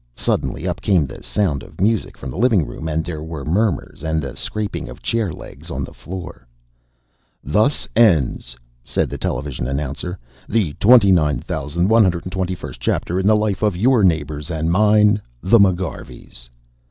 Suddenly, up came the sound of music from the living room and there were murmurs and the scraping of chair legs on the floor. "Thus ends," said the television announcer, "the 29,121st chapter in the life of your neighbors and mine, the McGarveys."